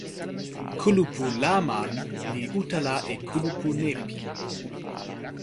kulupu Laman li utala e kulupu Nepi.